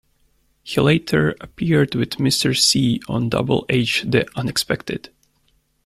He later appeared with Mr. Cee on "Double H: The Unexpected".